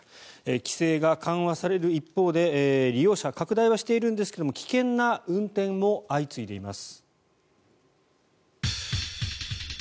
規制が緩和される一方で利用者、拡大はしているんですが危険な運転も相次いでいます。